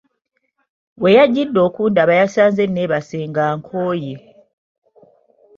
Weyajjidde okundaba yansanze nneebase nga nkooye.